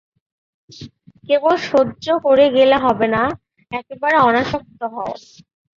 কেবল সহ্য করে গেলে হবে না, একেবারে অনাসক্ত হও।